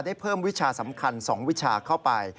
เพิ่มวิชาสำคัญ๒วิชาเข้าไป